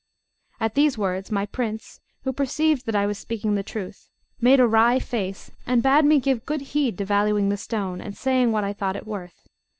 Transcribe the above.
At these words my prince, who perceive that I was speaking the truth, made a wry face, and bade me give good heed to valuing the stone, and saying what I thought it worth.